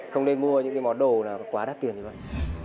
không nên mua những cái món đồ quá đắt tiền như vậy